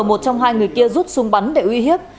một trong hai người kia rút súng bắn để uy hiếp